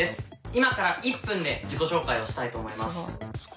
今から１分で自己紹介をしたいと思います。